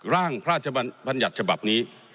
ร่างพระราชบัญญัติฉบับนี้